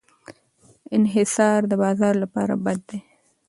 انحصار د بازار لپاره بد دی.